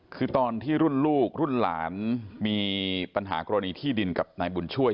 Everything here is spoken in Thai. คือตอนที่รุ่นลูกรุ่นหลานมีปัญหากรณีที่ดินกับนายบุญช่วย